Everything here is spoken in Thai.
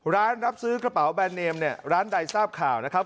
ร้านรับซื้อกระเป๋าแบรนเนมเนี่ยร้านใดทราบข่าวนะครับ